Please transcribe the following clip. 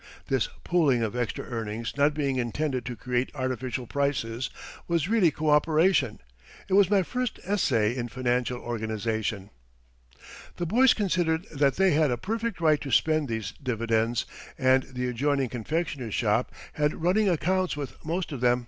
This pooling of extra earnings not being intended to create artificial prices was really coöperation. It was my first essay in financial organization. The boys considered that they had a perfect right to spend these dividends, and the adjoining confectioner's shop had running accounts with most of them.